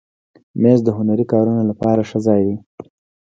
مېز د هنري کارونو لپاره ښه ځای دی.